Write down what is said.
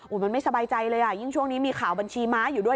มันไม่สบายใจเลยอ่ะยิ่งช่วงนี้มีข่าวบัญชีม้าอยู่ด้วย